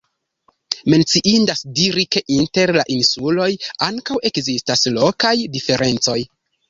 Menciindas diri ke inter la insuloj ankaŭ ekzistas lokaj diferencoj.